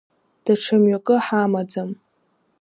Даҽа мҩакы ҳамаӡам.